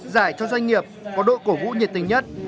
giải cho doanh nghiệp có đội cổ vũ nhiệt tình nhất